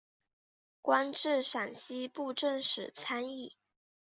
官至陕西布政使参议。